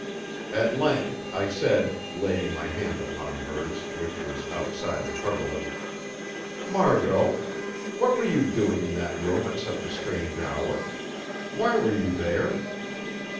At length I said, laying my hand upon hers, which was outside the coverlet: "Margot, what were you doing in that room at such a strange hour? Why were you there?"